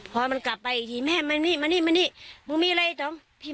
พอมันกลับปล่อยอีกที๐๐๐